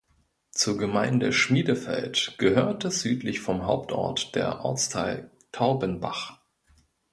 Zur Gemeinde Schmiedefeld gehörte südlich vom Hauptort der Ortsteil Taubenbach.